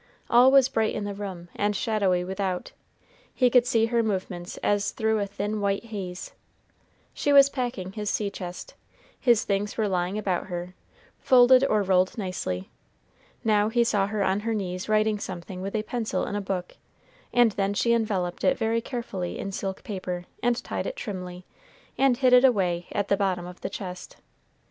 All was bright in the room, and shadowy without; he could see her movements as through a thin white haze. She was packing his sea chest; his things were lying about her, folded or rolled nicely. Now he saw her on her knees writing something with a pencil in a book, and then she enveloped it very carefully in silk paper, and tied it trimly, and hid it away at the bottom of the chest.